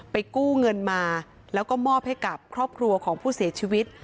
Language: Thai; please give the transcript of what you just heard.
กู้เงินมาแล้วก็มอบให้กับครอบครัวของผู้เสียชีวิต